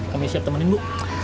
kami siap temenin bu